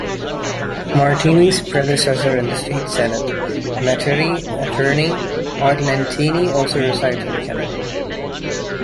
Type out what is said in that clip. Martiny's predecessor in the state Senate, Metairie attorney Art Lentini, also resides in Kenner.